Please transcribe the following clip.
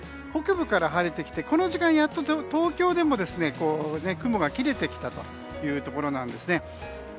北部から晴れてきてこの時間、やっと東京でも雲が切れてきたところなんです。